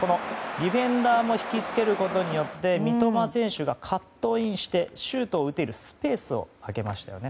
ディフェンダーも引き付けることによって三笘選手がカットインしてシュートを打てるスペースを空けましたね。